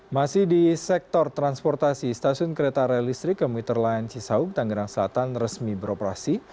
masih di sektor transportasi stasiun kereta real listrik kemuterlain cisauk tanggerang selatan resmi beroperasi